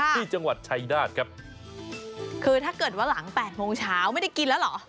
ที่จังหวัดชัยนาธครับคือถ้าเกิดว่าหลัง๘โมงเช้าไม่ได้กินแล้วเหรอ